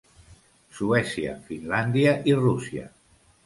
Suècia, Finlàndia i Rússia.